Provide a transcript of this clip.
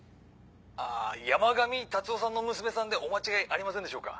あぁ山神達男さんの娘さんでお間違いありませんでしょうか？